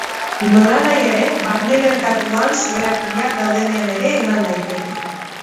Nolanahi ere, barne merkatuan soberakinak daudenean ere eman daiteke.